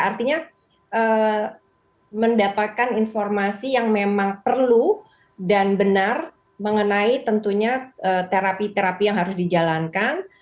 artinya mendapatkan informasi yang memang perlu dan benar mengenai tentunya terapi terapi yang harus dijalankan